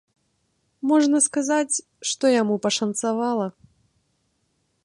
Можна сказаць, што яму пашанцавала.